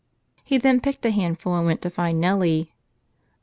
He then picked a handful and went to find Nellie.